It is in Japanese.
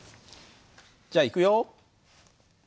じゃあいくよ。